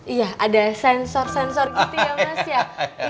iya ada sensor sensor gitu ya mas ya